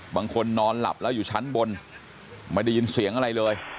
นอนหลับแล้วอยู่ชั้นบนไม่ได้ยินเสียงอะไรเลย